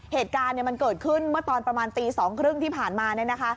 เหตุการณ์มันเกิดขึ้นเมื่อตอนประมาณตี๒๓๐ที่ผ่านมา